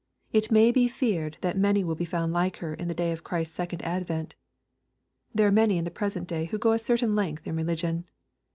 It may be feared that many will be found like her in the day of Christ's second ad vent. There are many in the present day who go a cer tain length in religion.